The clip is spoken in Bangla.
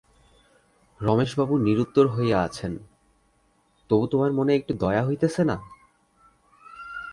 রমেশবাবু নিরুত্তর হইয়া আছেন, তবু তোমার মনে একটু দয়া হইতেছে না?